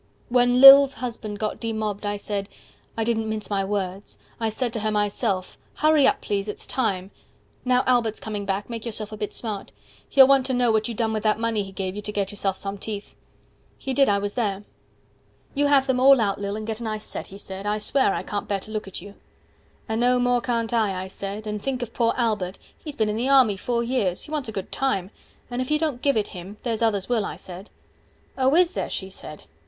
When Lil's husband got demobbed, I said, I didn't mince my words, I said to her myself, 140 HURRY UP PLEASE ITS TIME Now Albert's coming back, make yourself a bit smart. He'll want to know what you done with that money he gave you To get yourself some teeth. He did, I was there. You have them all out, Lil, and get a nice set, 145 He said, I swear, I can't bear to look at you. And no more can't I, I said, and think of poor Albert, He's been in the army four years, he wants a good time, And if you don't give it him, there's others will, I said. Oh is there, she said.